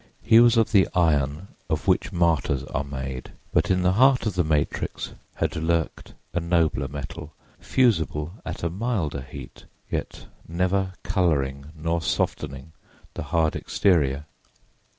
He was of the iron of which martyrs are made, but in the heart of the matrix had lurked a nobler metal, fusible at a milder heat, yet never coloring nor softening the hard exterior.